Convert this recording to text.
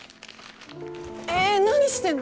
えっ何してんの？